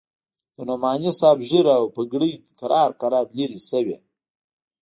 د نعماني صاحب ږيره او پګړۍ کرار کرار لرې سوې.